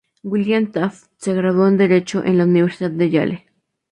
William Taft se graduó en Derecho en la Universidad de Yale.